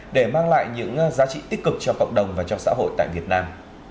để mang lại những giá trị tích cực cho cộng đồng và cho xã hội tại việt nam